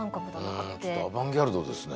ちょっとアバンギャルドですね。